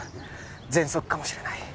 ぜんそくかもしれない